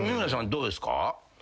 どうですか？